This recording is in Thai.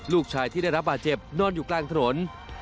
ลูกชายที่ได้รับบาดเจ็บนอนอยู่กลางถนน